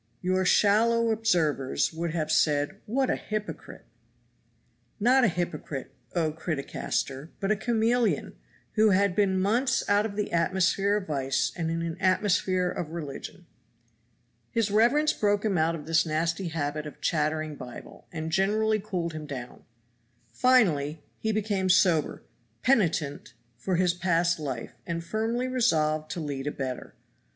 Your shallow observers would have said, "What a hypocrite!" Not a hypocrite, oh Criticaster, but a chameleon! who had been months out of the atmosphere of vice and in an atmosphere of religion. His reverence broke him of this nasty habit of chattering Bible, and generally cooled him down. Finally he became sober, penitent for his past life, and firmly resolved to lead a better.